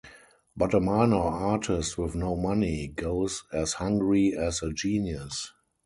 But a minor artist with no money goes as hungry as a genius.